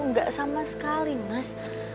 enggak sama sekali mas